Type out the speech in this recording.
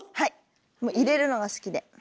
いれるのが好きで。